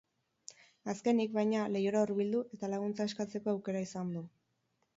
Azkenik, baina, leihora hurbildu eta laguntza eskatzeko aukera izan du.